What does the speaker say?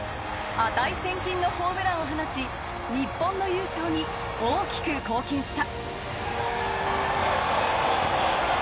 値千金のホームランを放ち、日本の優勝に大きく貢献した。